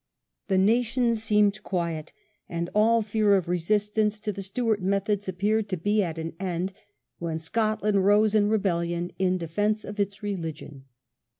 The nation seemed quiet, and all fear of resistance to the Stewart methods appeared to be at an end, when Scotland rose in rebellion in defence of its religion.